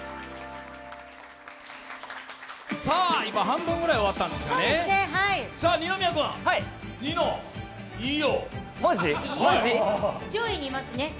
今、半分ぐらい終わったんですね。